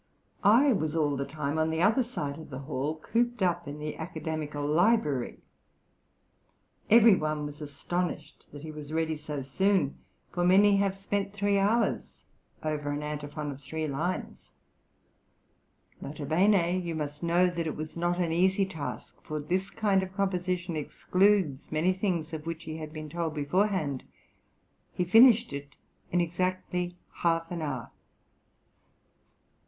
I was all the time on the other side of the hall cooped up in the Academical Library. Every one was astonished that he was ready so soon, for many have spent three hours over an antiphon of three lines. N.B. You must know that it was not an easy task, for this kind of composition excludes many things of which he had been told beforehand. He finished it in exactly half an hour.